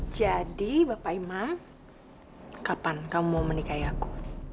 jadi bapak iman kapan kamu mau menikahi aku